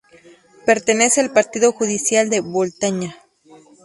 Pertenece al partido judicial de Boltaña.